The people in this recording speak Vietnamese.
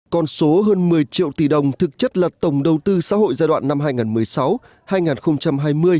con số hơn một mươi triệu tỷ đồng thực chất là tổng đầu tư xã hội giai đoạn năm hai nghìn một mươi sáu hai nghìn hai mươi